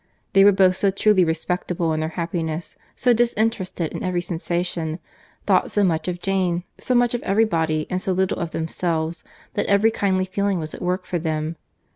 They were both so truly respectable in their happiness, so disinterested in every sensation; thought so much of Jane; so much of every body, and so little of themselves, that every kindly feeling was at work for them.